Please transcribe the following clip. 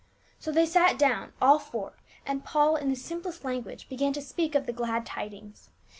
So they sat down, all four, and Paul in the simplest language began to speak of the glad tidings.